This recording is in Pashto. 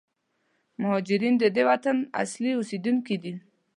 مهارجرین د دې وطن اصلي اوسېدونکي دي.